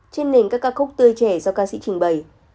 trên nền các ca khúc tươi trẻ do ca sĩ trình bày